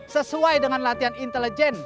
sesuai dengan latihan intelijen